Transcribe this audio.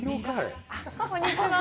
こんにちは。